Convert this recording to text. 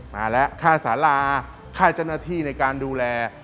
มาแล้วค่าสาราค่าเจ้าหน้าที่ในการดูแล